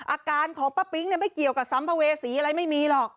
อาการของป้าปิ๊งไม่เกี่ยวกับสัมภเวษีอะไรไม่มีหรอก